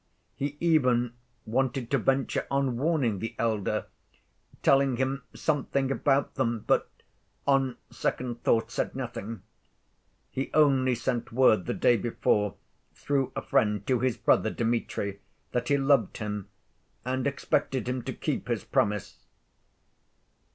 He even wanted to venture on warning the elder, telling him something about them, but, on second thoughts, said nothing. He only sent word the day before, through a friend, to his brother Dmitri, that he loved him and expected him to keep his promise.